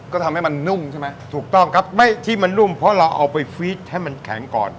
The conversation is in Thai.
ก็ทำให้มันนุ่มใช่ไหมถูกต้องครับไม่ที่มันนุ่มเพราะเราเอาไปฟีดให้มันแข็งก่อน